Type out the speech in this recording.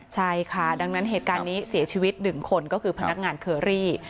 ใช่ค่ะดังนั้นเหตุการณ์นี้เสียชีวิต๑คนก็คือพนักงานเคอรี่